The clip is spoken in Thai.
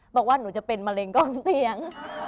บอกว่าหนูจะเป็นมะเร็งกล้องเสียง